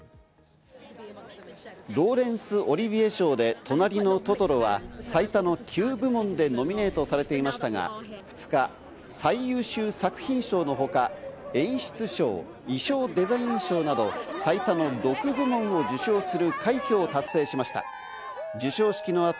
ローレンス・オリビエ賞で『となりのトトロ』は、最多の９部門でノミネートされていましたが、２日、最優秀作品賞のほか、演出賞、衣装デザイン賞など最多の６部門を受賞する快挙を達成しました。